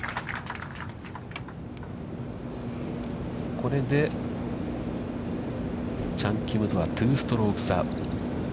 これでチャン・キムとは２ストローク差。